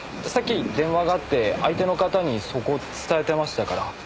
さっき電話があって相手の方にそこを伝えてましたから。